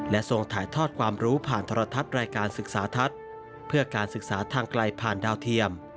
ทรงถ่ายทอดความรู้ผ่านทรทัศน์รายการศึกษาทัศน์เพื่อการศึกษาทางไกลผ่านดาวเทียม